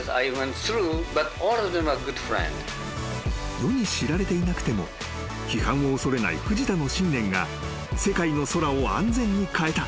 ［世に知られていなくても批判を恐れない藤田の信念が世界の空を安全に変えた］